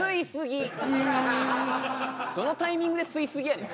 「ｙｏｕ」どのタイミングで吸い過ぎやねん